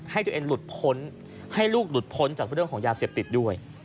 ให้ตัวเองหลุดพ้นให้ลูกหลุดพ้นจากเรื่องของยาเสพติดด้วย